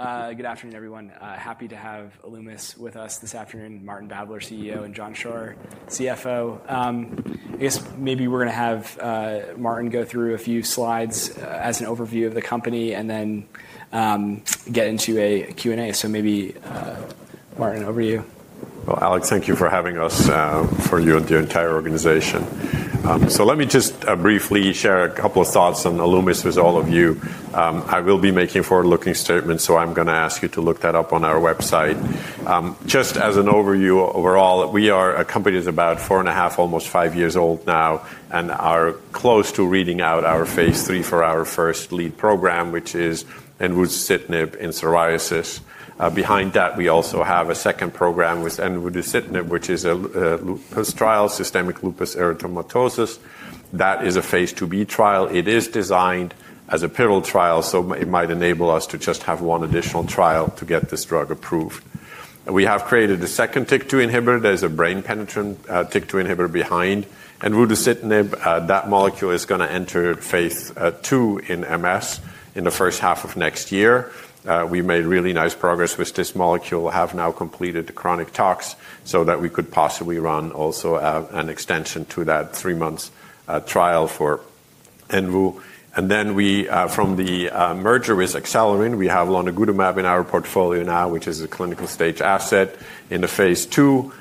Good afternoon, everyone. Happy to have Alumis with us this afternoon, Martin Babler, CEO, and John Schroer, CFO. I guess maybe we're going to have Martin go through a few slides as an overview of the company, and then get into a Q&A. Maybe, Martin, over to you. Alex, thank you for having us, for you and the entire organization. Let me just briefly share a couple of thoughts on Alumis with all of you. I will be making forward-looking statements, so I'm going to ask you to look that up on our website. Just as an overview overall, we are a company that's about four and a half, almost five years old now, and are close to reading out our phase 3 for our first lead program, which is Envudeucitinib in psoriasis. Behind that, we also have a second program with Envudeucitinib, which is a lupus trial, systemic lupus erythematosus. That is a phase 2b trial. It is designed as a pill trial, so it might enable us to just have one additional trial to get this drug approved. We have created a second TYK2 inhibitor. There's a brain-penetrant TYK2 inhibitor behind Envudeucitinib. That molecule is going to enter phase 2in MS in the first half of next year. We made really nice progress with this molecule, have now completed the chronic tox so that we could possibly run also an extension to that three-month trial for Envu. From the merger with Acelyrin, we have Lonigutamab in our portfolio now, which is a clinical stage asset in the phase 2.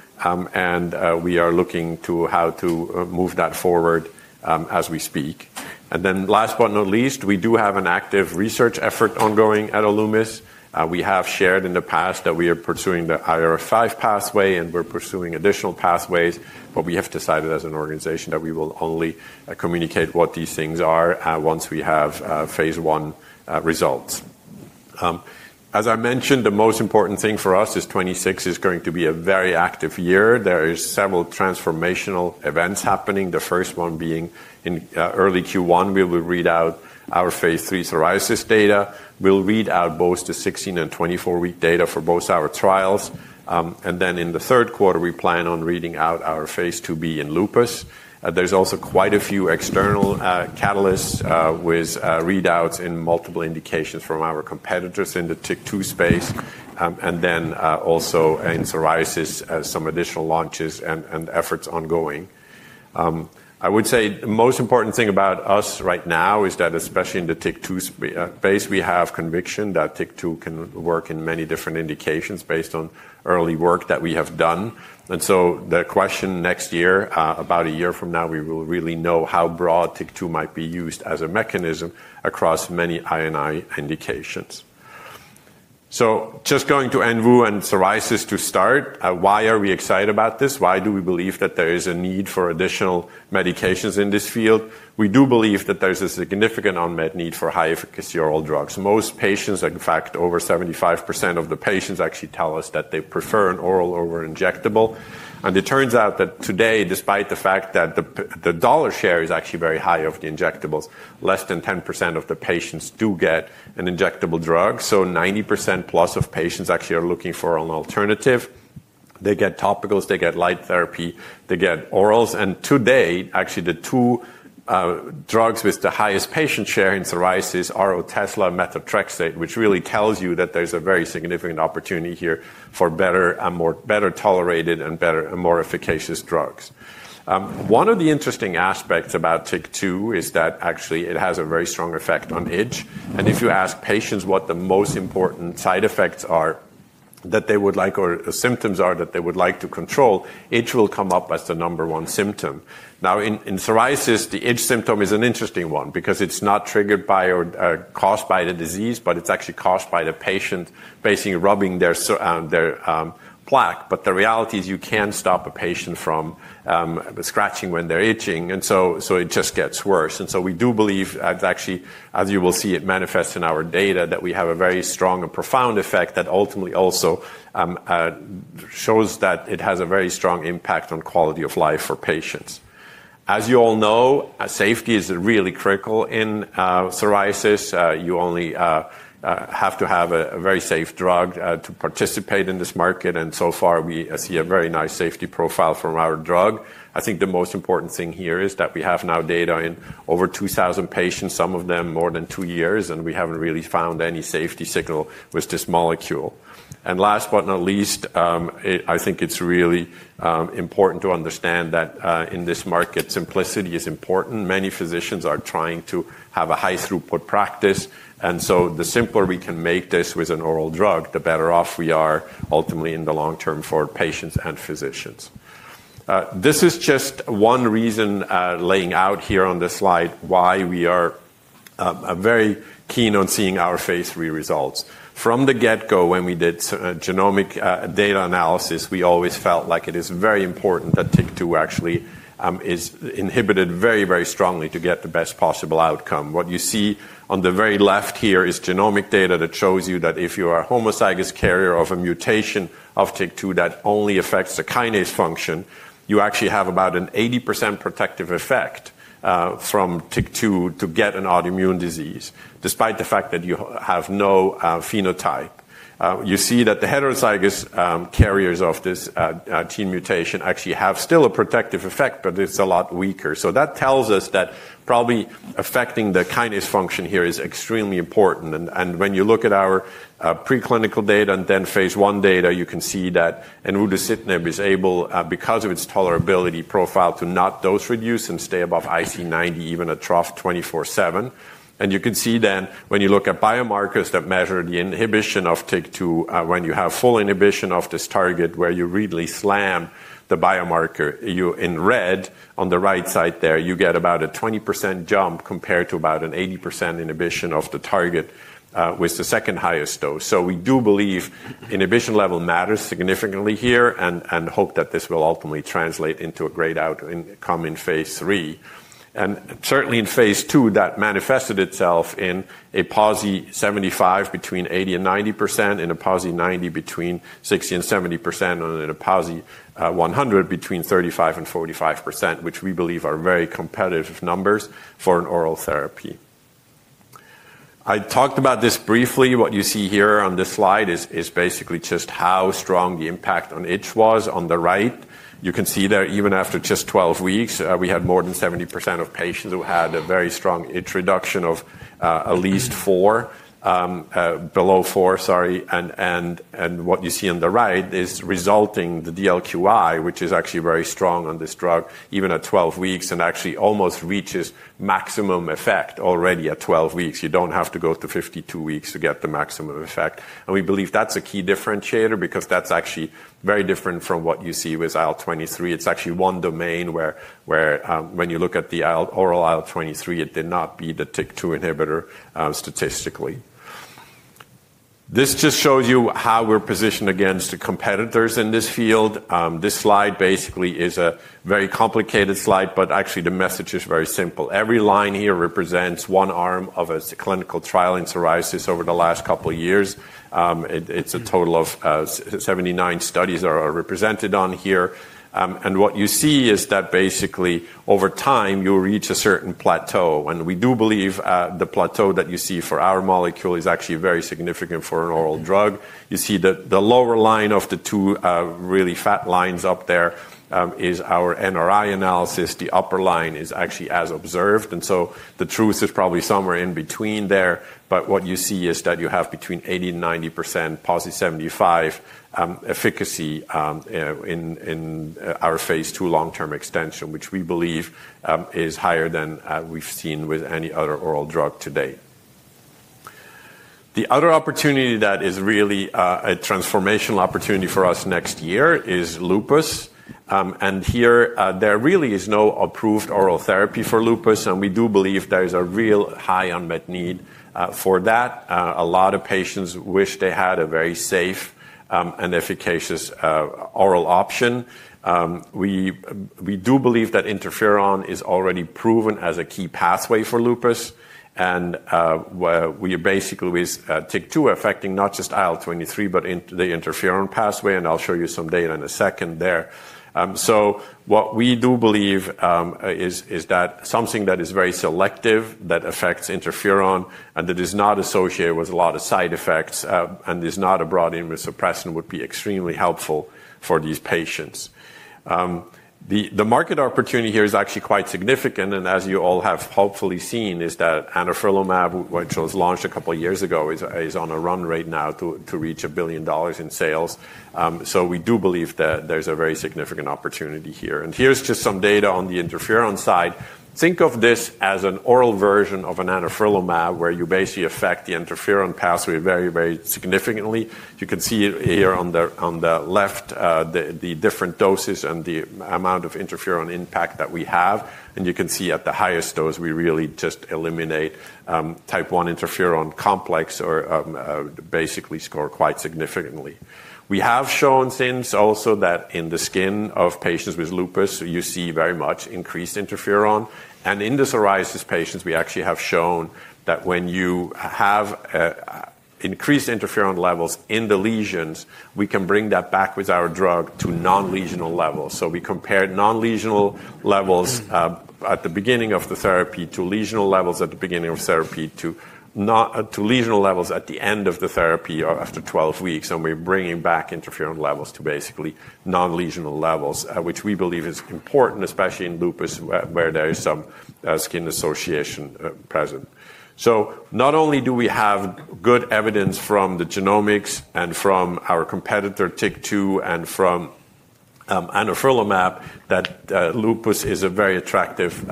We are looking to how to move that forward as we speak. Last but not least, we do have an active research effort ongoing at Alumis. We have shared in the past that we are pursuing the IRF-5 pathway, and we're pursuing additional pathways. We have decided as an organization that we will only communicate what these things are once we have phase 1 results. As I mentioned, the most important thing for us is 2026 is going to be a very active year. There are several transformational events happening, the first one being in early Q1. We will read out our phase 3 psoriasis data. We'll read out both the 16 and 24-week data for both our trials. In the third quarter, we plan on reading out our phase 2b in lupus. There are also quite a few external catalysts with readouts in multiple indications from our competitors in the TYK2 space, and also in psoriasis, some additional launches and efforts ongoing. I would say the most important thing about us right now is that, especially in the TYK2 space, we have conviction that TYK2 can work in many different indications based on early work that we have done. The question next year, about a year from now, we will really know how broad TYK2 might be used as a mechanism across many immune indications. Just going to Envudeucitinib and psoriasis to start, why are we excited about this? Why do we believe that there is a need for additional medications in this field? We do believe that there's a significant unmet need for high-efficacy oral drugs. Most patients, in fact, over 75% of the patients actually tell us that they prefer an oral over injectable. It turns out that today, despite the fact that the dollar share is actually very high of the injectables, less than 10% of the patients do get an injectable drug. So 90% plus of patients actually are looking for an alternative. They get topicals, they get light therapy, they get orals. Today, actually, the two drugs with the highest patient share in psoriasis are Otesla and methotrexate, which really tells you that there's a very significant opportunity here for better and more better tolerated and better and more efficacious drugs. One of the interesting aspects about TYK2 is that actually it has a very strong effect on itch. If you ask patients what the most important side effects are that they would like or symptoms are that they would like to control, itch will come up as the number one symptom. Now, in psoriasis, the itch symptom is an interesting one because it's not triggered by or caused by the disease, but it's actually caused by the patient basically rubbing their plaque. The reality is you can't stop a patient from scratching when they're itching, and so it just gets worse. We do believe that actually, as you will see, it manifests in our data that we have a very strong and profound effect that ultimately also shows that it has a very strong impact on quality of life for patients. As you all know, safety is really critical in psoriasis. You only have to have a very safe drug to participate in this market. So far, we see a very nice safety profile from our drug. I think the most important thing here is that we have now data in over 2,000 patients, some of them more than two years, and we have not really found any safety signal with this molecule. Last but not least, I think it is really important to understand that in this market, simplicity is important. Many physicians are trying to have a high-throughput practice. The simpler we can make this with an oral drug, the better off we are ultimately in the long term for patients and physicians. This is just one reason laying out here on this slide why we are very keen on seeing our phase 3 results. From the get-go, when we did genomic data analysis, we always felt like it is very important that TYK2 actually is inhibited very, very strongly to get the best possible outcome. What you see on the very left here is genomic data that shows you that if you are a homozygous carrier of a mutation of TYK2 that only affects the kinase function, you actually have about an 80% protective effect from TYK2 to get an autoimmune disease, despite the fact that you have no phenotype. You see that the heterozygous carriers of this gene mutation actually have still a protective effect, but it's a lot weaker. That tells us that probably affecting the kinase function here is extremely important. When you look at our preclinical data and then phase 1 data, you can see that Envudeucitinib is able, because of its tolerability profile, to not dose-reduce and stay above IC90, even at trough 24/7. You can see then when you look at biomarkers that measure the inhibition of TYK2, when you have full inhibition of this target where you really slam the biomarker in red on the right side there, you get about a 20% jump compared to about an 80% inhibition of the target with the second highest dose. We do believe inhibition level matters significantly here and hope that this will ultimately translate into a great outcome in phase 3. Certainly in phase 2, that manifested itself in a PASI 75 between 80-90%, in a PASI 90 between 60-70%, and in a PASI 100 between 35-45%, which we believe are very competitive numbers for an oral therapy. I talked about this briefly. What you see here on this slide is basically just how strong the impact on itch was. On the right, you can see there even after just 12 weeks, we had more than 70% of patients who had a very strong itch reduction of at least four, below four, sorry. What you see on the right is resulting the DLQI, which is actually very strong on this drug, even at 12 weeks, and actually almost reaches maximum effect already at 12 weeks. You do not have to go to 52 weeks to get the maximum effect. We believe that is a key differentiator because that is actually very different from what you see with IL-23. It is actually one domain where when you look at the oral IL-23, it did not beat the TYK2 inhibitor statistically. This just shows you how we are positioned against the competitors in this field. This slide basically is a very complicated slide, but actually the message is very simple. Every line here represents one arm of a clinical trial in psoriasis over the last couple of years. It is a total of 79 studies that are represented on here. What you see is that basically over time, you'll reach a certain plateau. We do believe the plateau that you see for our molecule is actually very significant for an oral drug. You see that the lower line of the two really fat lines up there is our NRI analysis. The upper line is actually as observed. The truth is probably somewhere in between there. What you see is that you have between 80-90% PASI 75 efficacy in our phase 2 long-term extension, which we believe is higher than we've seen with any other oral drug today. The other opportunity that is really a transformational opportunity for us next year is lupus. Here there really is no approved oral therapy for lupus. We do believe there is a real high unmet need for that. A lot of patients wish they had a very safe and efficacious oral option. We do believe that interferon is already proven as a key pathway for lupus. We are basically with TYK2 affecting not just IL-23, but the interferon pathway. I'll show you some data in a second there. What we do believe is that something that is very selective that affects interferon and that is not associated with a lot of side effects and is not a broad immunosuppressant would be extremely helpful for these patients. The market opportunity here is actually quite significant. As you all have hopefully seen, anifrolumab, which was launched a couple of years ago, is on a run right now to reach $1 billion in sales. We do believe that there's a very significant opportunity here. Here's just some data on the interferon side. Think of this as an oral version of anifrolumab where you basically affect the interferon pathway very, very significantly. You can see here on the left the different doses and the amount of interferon impact that we have. You can see at the highest dose, we really just eliminate type one interferon complex or basically score quite significantly. We have shown since also that in the skin of patients with lupus, you see very much increased interferon. In the psoriasis patients, we actually have shown that when you have increased interferon levels in the lesions, we can bring that back with our drug to non-lesional levels. We compared non-lesional levels at the beginning of the therapy to lesional levels at the beginning of therapy to lesional levels at the end of the therapy after 12 weeks. We're bringing back interferon levels to basically non-lesional levels, which we believe is important, especially in lupus where there is some skin association present. Not only do we have good evidence from the genomics and from our competitor TYK2 and from anifrolumab that lupus is a very attractive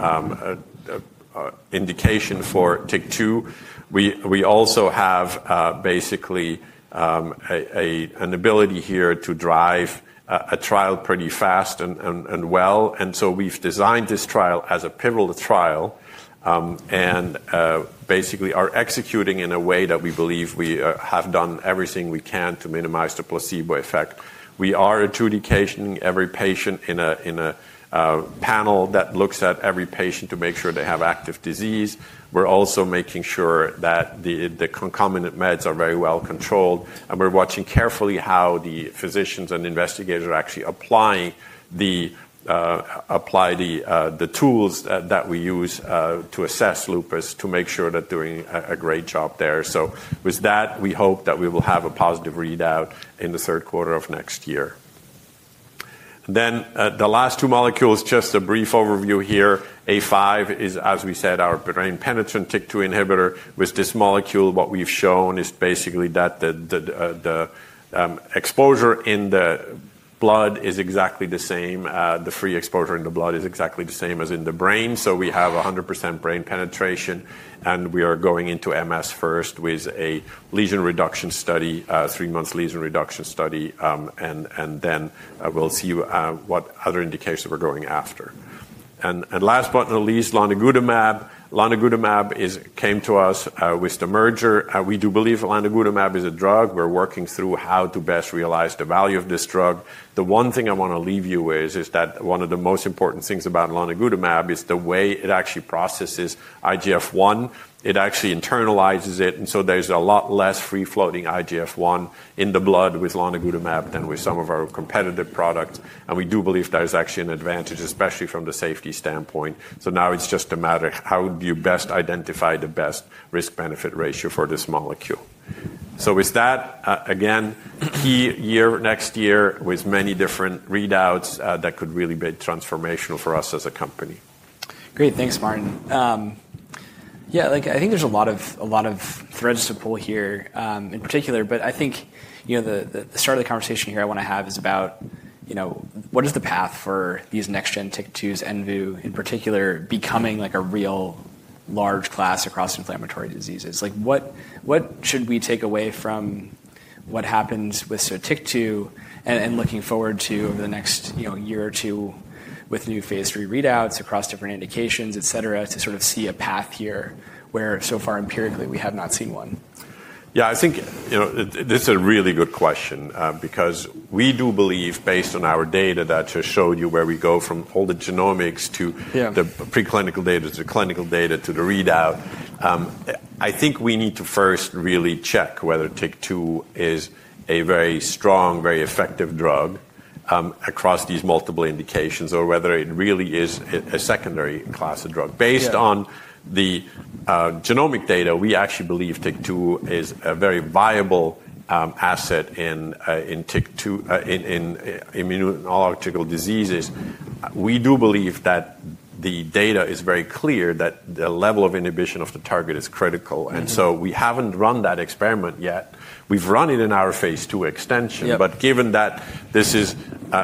indication for TYK2, we also have basically an ability here to drive a trial pretty fast and well. We have designed this trial as a pivotal trial and basically are executing in a way that we believe we have done everything we can to minimize the placebo effect. We are adjudicating every patient in a panel that looks at every patient to make sure they have active disease. We're also making sure that the concomitant meds are very well controlled. We're watching carefully how the physicians and investigators actually apply the tools that we use to assess lupus to make sure they're doing a great job there. With that, we hope that we will have a positive readout in the third quarter of next year. The last two molecules, just a brief overview here. A-005 is, as we said, our brain-penetrant TYK2 inhibitor. With this molecule, what we've shown is basically that the exposure in the blood is exactly the same. The free exposure in the blood is exactly the same as in the brain. We have 100% brain penetration. We are going into MS first with a lesion reduction study, three-month lesion reduction study. We'll see what other indications we're going after. Last but not least, lonigutamab. Lonigutamab came to us with the merger. We do believe lonigutamab is a drug. We're working through how to best realize the value of this drug. The one thing I want to leave you with is that one of the most important things about lonigutamab is the way it actually processes IGF-1. It actually internalizes it. There is a lot less free-floating IGF-1 in the blood with lonigutamab than with some of our competitive products. We do believe there is actually an advantage, especially from the safety standpoint. Now it is just a matter of how do you best identify the best risk-benefit ratio for this molecule. With that, again, key year next year with many different readouts that could really be transformational for us as a company. Great. Thanks, Martin. Yeah, I think there is a lot of threads to pull here in particular. I think the start of the conversation here I want to have is about what is the path for these next-gen TYK2s, Envu, in particular, becoming a real large class across inflammatory diseases. What should we take away from what happens with TYK2 and looking forward to over the next year or two with new phase three readouts across different indications, et cetera, to sort of see a path here where so far empirically we have not seen one? Yeah, I think this is a really good question because we do believe, based on our data that I just showed you where we go from all the genomics to the preclinical data to the clinical data to the readout, I think we need to first really check whether TYK2 is a very strong, very effective drug across these multiple indications or whether it really is a secondary class of drug. Based on the genomic data, we actually believe TYK2 is a very viable asset in immunological diseases. We do believe that the data is very clear that the level of inhibition of the target is critical. And so we haven't run that experiment yet. We've run it in our phase 2 extension. But given that this is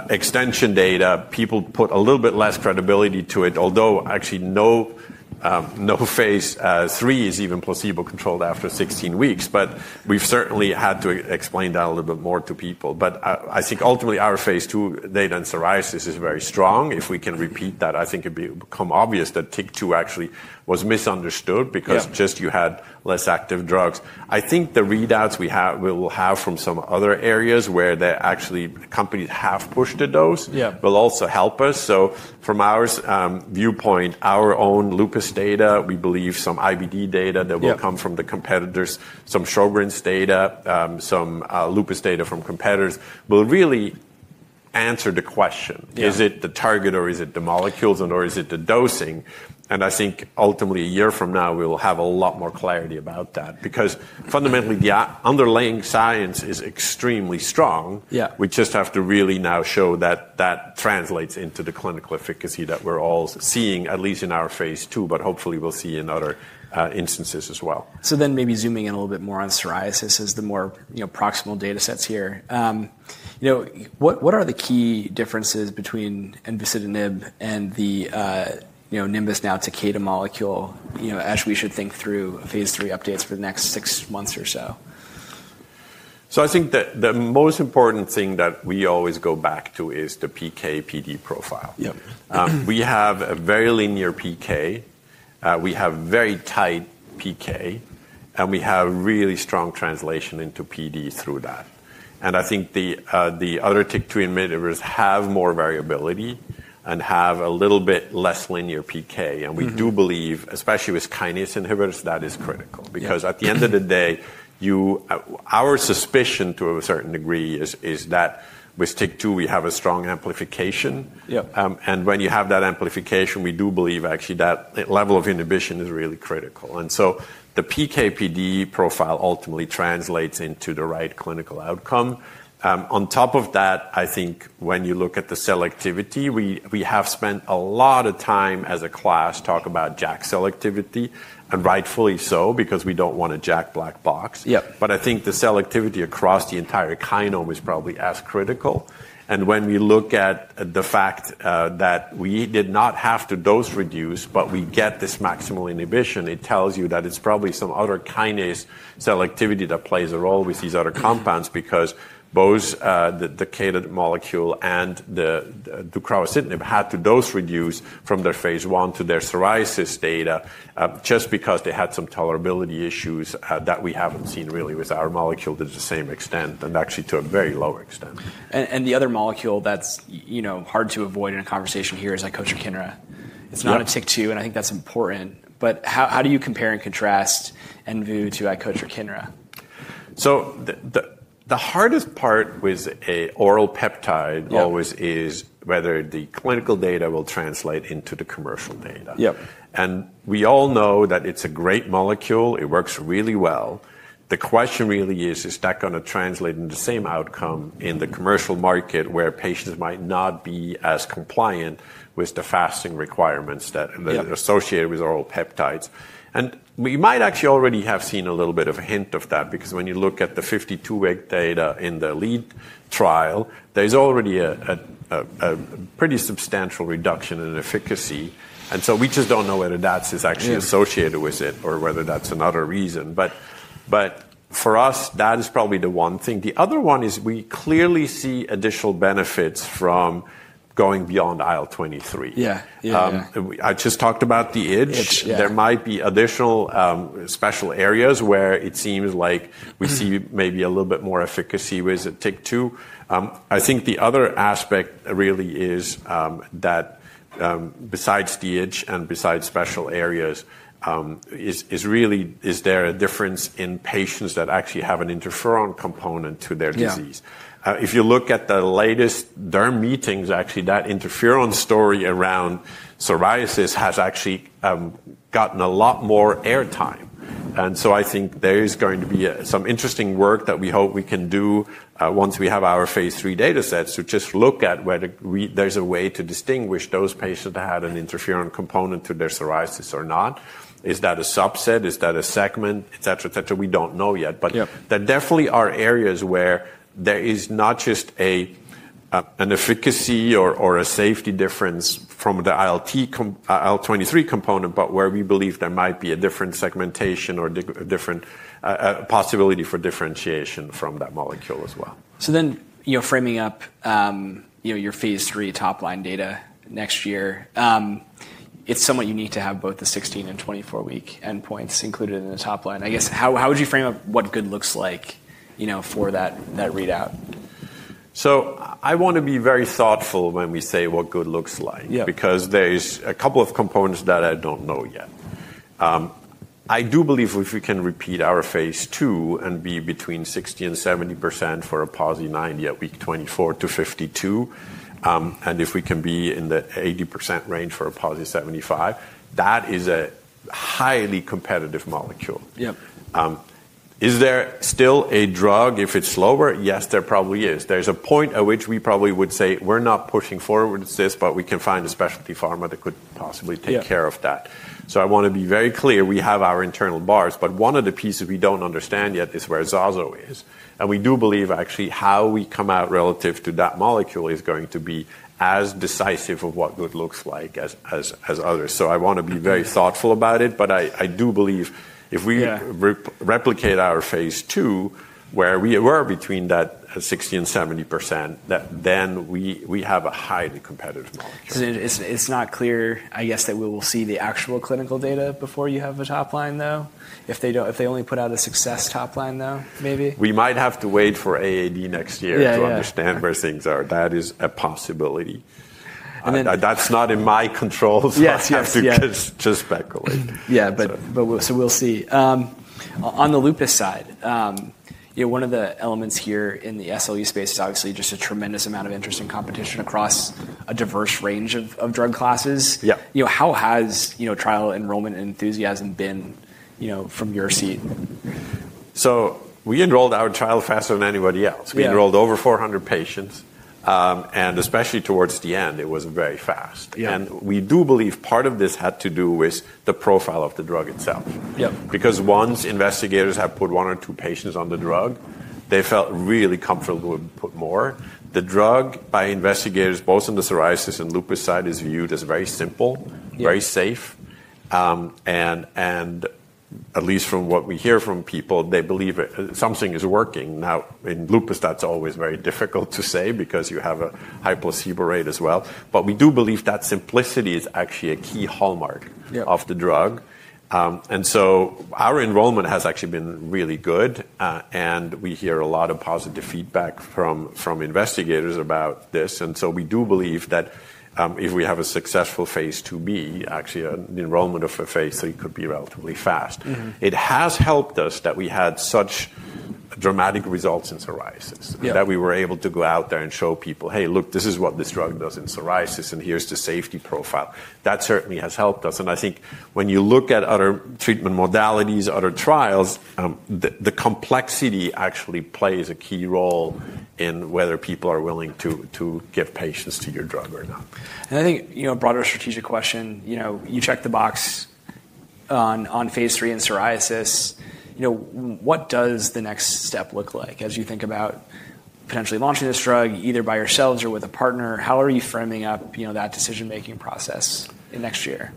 extension data, people put a little bit less credibility to it, although actually no 2 three is even placebo-controlled after 16 weeks. We have certainly had to explain that a little bit more to people. I think ultimately our phase 2 data in psoriasis is very strong. If we can repeat that, I think it would become obvious that TYK2 actually was misunderstood because you just had less active drugs. I think the readouts we will have from some other areas where companies have pushed the dose will also help us. From our viewpoint, our own lupus data, we believe some IBD data that will come from the competitors, some Sjogren's data, some lupus data from competitors will really answer the question. Is it the target or is it the molecules and/or is it the dosing? I think ultimately a year from now, we will have a lot more clarity about that because fundamentally the underlying science is extremely strong. We just have to really now show that that translates into the clinical efficacy that we're all seeing, at least in our phase 2, but hopefully we'll see in other instances as well. Maybe zooming in a little bit more on psoriasis is the more proximal data sets here. What are the key differences between Envudeucitinib and the Nimbus now Takeda molecule as we should think through phase three updates for the next six months or so? I think that the most important thing that we always go back to is the PK/PD profile. We have a very linear PK. We have very tight PK. We have really strong translation into PD through that. I think the other TYK2 inhibitors have more variability and have a little bit less linear PK. We do believe, especially with kinase inhibitors, that is critical because at the end of the day, our suspicion to a certain degree is that with TYK2, we have a strong amplification. When you have that amplification, we do believe actually that level of inhibition is really critical. The PK/PD profile ultimately translates into the right clinical outcome. On top of that, I think when you look at the selectivity, we have spent a lot of time as a class talking about JAK selectivity. Rightfully so because we do not want a JAK black box. I think the selectivity across the entire kinome is probably as critical. When we look at the fact that we did not have to dose reduce, but we get this maximal inhibition, it tells you that it is probably some other kinase selectivity that plays a role with these other compounds because both the Takeda molecule and the carbamazepine have had to dose reduce from their phase one to their psoriasis data just because they had some tolerability issues that we have not seen really with our molecule to the same extent and actually to a very low extent. The other molecule that's hard to avoid in a conversation here is deucravacitinib. It's not a TYK2, and I think that's important. How do you compare and contrast Envu to deucravacitinib? The hardest part with an oral peptide always is whether the clinical data will translate into the commercial data. We all know that it's a great molecule. It works really well. The question really is, is that going to translate into the same outcome in the commercial market where patients might not be as compliant with the fasting requirements that are associated with oral peptides? We might actually already have seen a little bit of a hint of that because when you look at the 52-week data in the lead trial, there's already a pretty substantial reduction in efficacy. We just don't know whether that's actually associated with it or whether that's another reason. For us, that is probably the one thing. The other one is we clearly see additional benefits from going beyond IL-23. Yeah. I just talked about the edge. There might be additional special areas where it seems like we see maybe a little bit more efficacy with TYK2. I think the other aspect really is that besides the edge and besides special areas, is really is there a difference in patients that actually have an interferon component to their disease? If you look at the latest derm meetings, actually that interferon story around psoriasis has actually gotten a lot more airtime. I think there is going to be some interesting work that we hope we can do once we have our phase three data sets to just look at whether there's a way to distinguish those patients that had an interferon component to their psoriasis or not. Is that a subset? Is that a segment? Et cetera, et cetera. We don't know yet. There definitely are areas where there is not just an efficacy or a safety difference from the IL-23 component, but where we believe there might be a different segmentation or a different possibility for differentiation from that molecule as well. You're framing up your phase three top-line data next year. It's somewhat unique to have both the 16 and 24-week endpoints included in the top-line. I guess how would you frame up what good looks like for that readout? I want to be very thoughtful when we say what good looks like because there's a couple of components that I don't know yet. I do believe if we can repeat our phase 2 and be between 60-70% for a PASI 90 at week 24 to 52, and if we can be in the 80% range for a PASI 75, that is a highly competitive molecule. Is there still a drug if it's slower? Yes, there probably is. There's a point at which we probably would say we're not pushing forward with this, but we can find a specialty pharma that could possibly take care of that. I want to be very clear. We have our internal bars. One of the pieces we don't understand yet is where Xazo is. We do believe actually how we come out relative to that molecule is going to be as decisive of what good looks like as others. I want to be very thoughtful about it. I do believe if we replicate our phase 2 where we were between that 60%-70%, then we have a highly competitive molecule. It's not clear, I guess, that we will see the actual clinical data before you have a top-line, though? If they only put out a success top-line, though, maybe? We might have to wait for AAD next year to understand where things are. That is a possibility. That's not in my control, so I have to just speculate. Yeah, but we'll see. On the lupus side, one of the elements here in the SLE space is obviously just a tremendous amount of interest and competition across a diverse range of drug classes. How has trial enrollment and enthusiasm been from your seat? We enrolled our trial faster than anybody else. We enrolled over 400 patients. Especially towards the end, it was very fast. We do believe part of this had to do with the profile of the drug itself. Once investigators have put one or two patients on the drug, they felt really comfortable to put more. The drug, by investigators, both in the psoriasis and lupus side, is viewed as very simple, very safe. At least from what we hear from people, they believe something is working. In lupus, that's always very difficult to say because you have a high placebo rate as well. We do believe that simplicity is actually a key hallmark of the drug. Our enrollment has actually been really good. We hear a lot of positive feedback from investigators about this. We do believe that if we have a successful phase 2b, actually an enrollment of a phase 3 could be relatively fast. It has helped us that we had such dramatic results in psoriasis and that we were able to go out there and show people, hey, look, this is what this drug does in psoriasis and here is the safety profile. That certainly has helped us. I think when you look at other treatment modalities, other trials, the complexity actually plays a key role in whether people are willing to give patients to your drug or not. I think a broader strategic question, you check the box on phase three in psoriasis. What does the next step look like as you think about potentially launching this drug either by yourselves or with a partner? How are you framing up that decision-making process next year?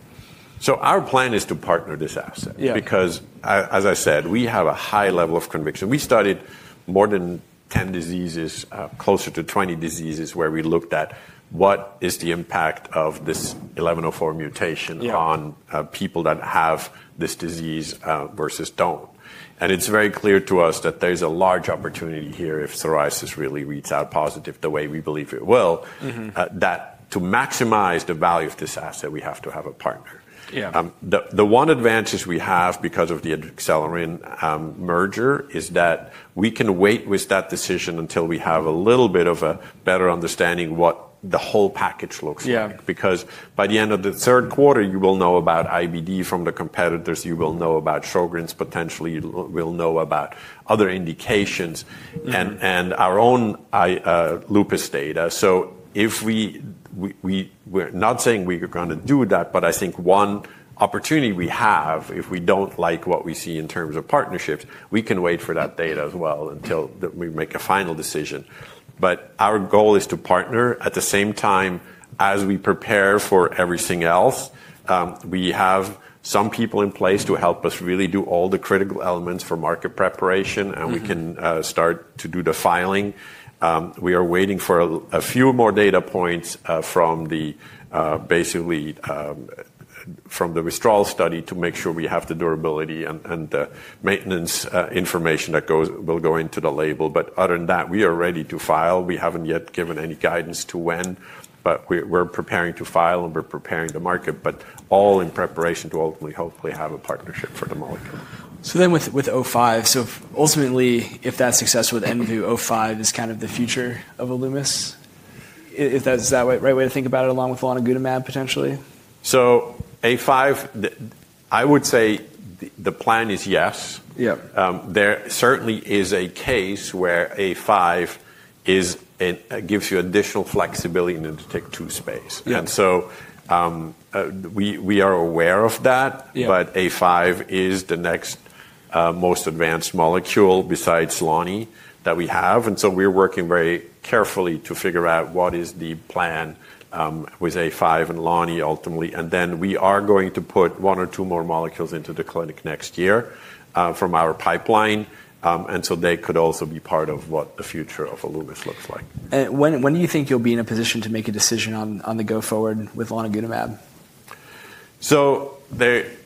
Our plan is to partner this asset because, as I said, we have a high level of conviction. We studied more than 10 diseases, closer to 20 diseases where we looked at what is the impact of this 1104 mutation on people that have this disease versus don't. It is very clear to us that there is a large opportunity here if psoriasis really reads out positive the way we believe it will, that to maximize the value of this asset, we have to have a partner. The one advantage we have because of the Alumis merger is that we can wait with that decision until we have a little bit of a better understanding of what the whole package looks like. Because by the end of the third quarter, you will know about IBD from the competitors. You will know about Sjogren's. Potentially, you will know about other indications and our own lupus data. We are not saying we are going to do that, but I think one opportunity we have, if we do not like what we see in terms of partnerships, we can wait for that data as well until we make a final decision. Our goal is to partner. At the same time as we prepare for everything else, we have some people in place to help us really do all the critical elements for market preparation, and we can start to do the filing. We are waiting for a few more data points from the withdrawal study to make sure we have the durability and the maintenance information that will go into the label. Other than that, we are ready to file. We haven't yet given any guidance to when, but we're preparing to file and we're preparing the market, but all in preparation to ultimately hopefully have a partnership for the molecule. So then with A-005, so ultimately, if that's successful with Envudeucitinib, A-005 is kind of the future of Alumis, is that the right way to think about it along with Lonigutamab potentially? A-005, I would say the plan is yes. There certainly is a case where A-005 gives you additional flexibility in the TYK2 space. We are aware of that, but A-005 is the next most advanced molecule besides Lani that we have. We are working very carefully to figure out what is the plan with A-005 and Lani ultimately. We are going to put one or two more molecules into the clinic next year from our pipeline. They could also be part of what the future of Alumis looks like. When do you think you'll be in a position to make a decision on the go-forward with Lonigutamab?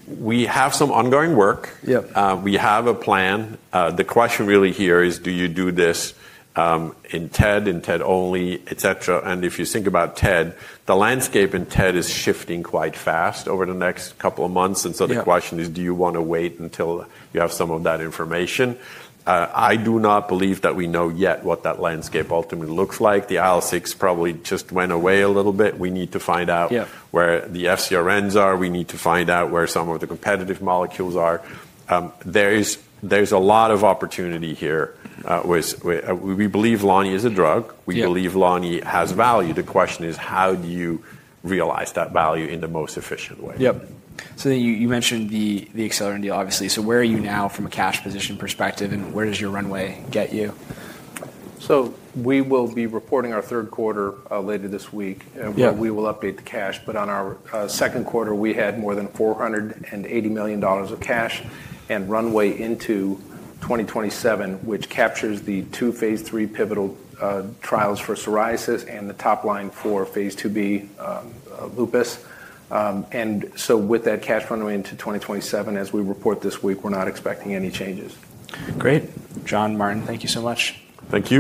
We have some ongoing work. We have a plan. The question really here is, do you do this in TED, in TED only, et cetera? If you think about TED, the landscape in TED is shifting quite fast over the next couple of months. The question is, do you want to wait until you have some of that information? I do not believe that we know yet what that landscape ultimately looks like. The IL-6 probably just went away a little bit. We need to find out where the FCRNs are. We need to find out where some of the competitive molecules are. There is a lot of opportunity here. We believe Lani is a drug. We believe Lani has value. The question is, how do you realize that value in the most efficient way? Yep. You mentioned the Acelyrin deal, obviously. Where are you now from a cash position perspective and where does your runway get you? We will be reporting our third quarter later this week, and we will update the cash. On our second quarter, we had more than $480 million of cash and runway into 2027, which captures the two phase three pivotal trials for psoriasis and the top line for phase 2b lupus. With that cash runway into 2027, as we report this week, we're not expecting any changes. Great. John, Martin, thank you so much. Thank you.